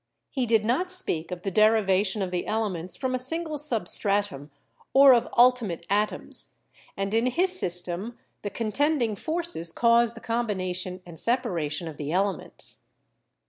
He did not speak of the derivation of the elements from a single substratum or of ultimate atoms, and in his system the contending forces cause the combination and separation of the ele ments.